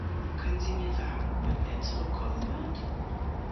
Können Sie mir sagen, wann er zurückkommen wird?